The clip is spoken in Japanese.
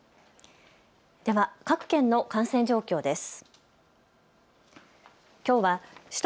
では各県の感染状況です。